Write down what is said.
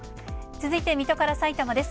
続いて水戸からさいたまです。